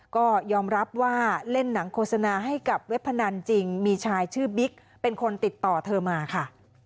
ก็ยอมรับว่าเล่นหนังโฆษณาให้กับเว็บพนันจริงมีชายชื่อบิ๊กเป็นคนติดต่อเธอมาค่ะ